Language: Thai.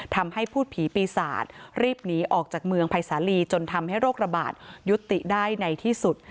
พูดผีปีศาจรีบหนีออกจากเมืองภัยสาลีจนทำให้โรคระบาดยุติได้ในที่สุด